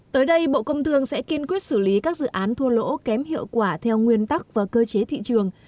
tới đây bộ công thương sẽ kiên quyết xử lý các dự án thua lỗ kém hiệu quả theo nguyên tắc và cơ chế thị trường